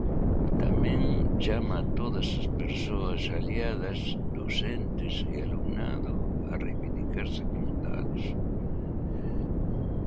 Tamén chama a todas as persoas "aliadas", docentes e alumnado, a reivindicarse como tales.